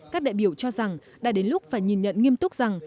các đại biểu cho rằng đã đến lúc phải nhìn nhận nghiêm túc rằng